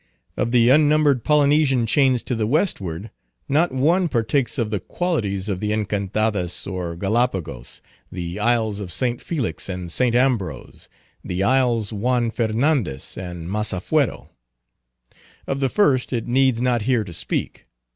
Of the unnumbered Polynesian chains to the westward, not one partakes of the qualities of the Encantadas or Gallipagos, the isles of St. Felix and St. Ambrose, the isles Juan Fernandez and Massafuero. Of the first, it needs not here to speak.